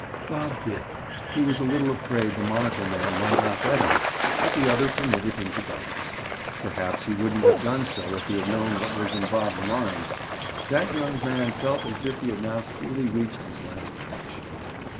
Bob did. He was a little afraid the monocle man might not let him, but the other permitted him to dance. Perhaps he wouldn't have done so if he had known what was in Bob's mind. That young man felt as if he had now truly reached his last ditch.